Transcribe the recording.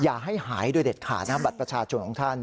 อย่าให้หายโดยเด็ดขาดนะบัตรประชาชนของท่าน